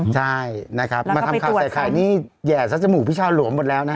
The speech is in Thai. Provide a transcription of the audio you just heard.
ใช่นะครับมาทำข่าวใส่ไข่นี่แห่ซะจมูกพี่ชาวหลวมหมดแล้วนะฮะ